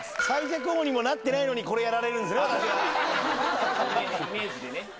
最弱王にもなってないのにこれやられるんですね